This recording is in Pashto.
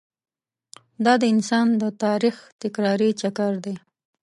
دا د انسان د تاریخ تکراري چکر دی.